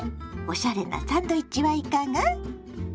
おしゃれなサンドイッチはいかが？